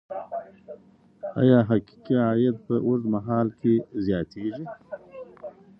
ایا حقیقي عاید په اوږدمهال کي زیاتیږي؟